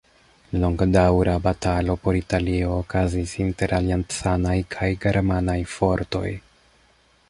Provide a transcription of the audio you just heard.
Longdaŭra batalo por Italio okazis inter Aliancanaj kaj Germanaj fortoj.